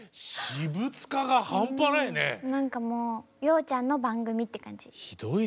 何かこう洋ちゃんの番組って感じ。